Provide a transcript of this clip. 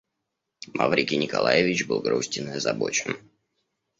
Маврикий Николаевич был грустен и озабочен.